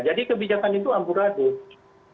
jadi kebijakan itu ambur abur